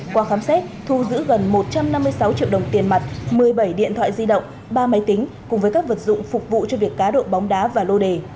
qua khám xét thu giữ gần một trăm năm mươi sáu triệu đồng tiền mặt một mươi bảy điện thoại di động ba máy tính cùng với các vật dụng phục vụ cho việc cá độ bóng đá và lô đề